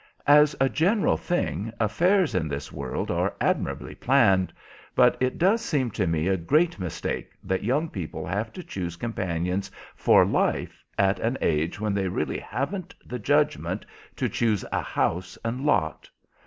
As a general thing, affairs in this world are admirably planned, but it does seem to me a great mistake that young people have to choose companions for life at an age when they really haven't the judgment to choose a house and lot.